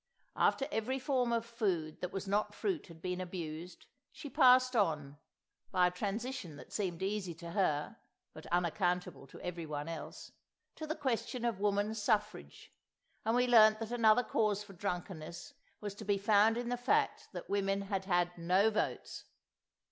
After every form of food that was not fruit had been abused, she passed on—by a transition that seemed easy to her, but unaccountable to everyone else—to the question of woman's suffrage, and we learnt that another cause for drunkenness was to be found in the fact that women had had no votes.